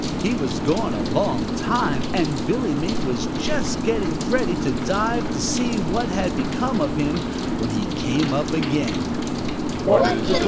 He was gone a long time, and Billy Mink was just getting ready to dive to see what had become of him when he came up again.